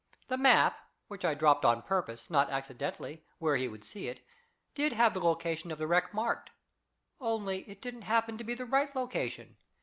The map which I dropped on purpose, not accidentally, where he would see it, did have the location of the wreck marked. Only it didn't happen to be the right location.